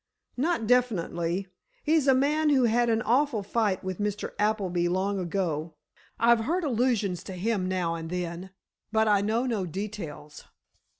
"Not definitely. He's a man who had an awful fight with Mr. Appleby, long ago. I've heard allusions to him now and then, but I know no details."